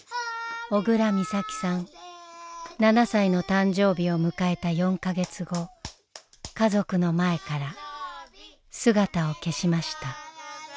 ７歳の誕生日を迎えた４か月後家族の前から姿を消しました。